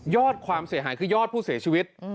ความเสียหายคือยอดผู้เสียชีวิต